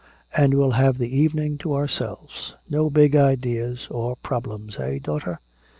And we'll have the evening to ourselves. No big ideas nor problems. Eh, daughter?"